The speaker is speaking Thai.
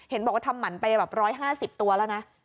เห็นบอกว่าทำหมันไปแบบ๑๕๐ตัวแล้วนะ